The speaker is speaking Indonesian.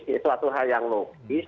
ini suatu hal yang logis